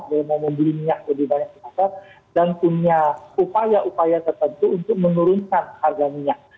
dia mau membeli minyak lebih banyak di pasar dan punya upaya upaya tertentu untuk menurunkan harga minyak